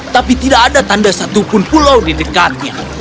tapi tidak ada tanda satupun pulau di dekatnya